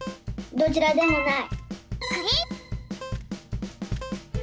どちらでもない！